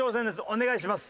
お願いします。